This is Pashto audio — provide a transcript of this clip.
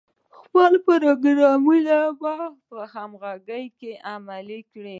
خپل پروګرامونه په همغږۍ کې عملي کړي.